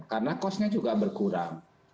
karena costnya juga berkurang